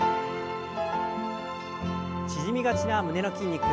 縮みがちな胸の筋肉。